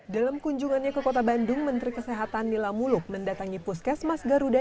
dalam kunjungannya ke kota bandung menteri kesehatan nila muluk mendatangi puskesmas garuda